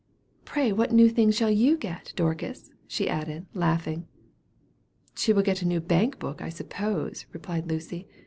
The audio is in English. Pray what new thing shall you get, Dorcas?" added she, laughing. "She will get a new bank book, I suppose," replied Lucy.